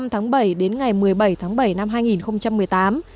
năm tháng bảy đến ngày một mươi bảy tháng bảy năm hai nghìn một mươi tám